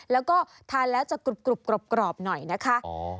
แล้วก็ทานแล้วจะกรุบกรอบหน่อยนะคะ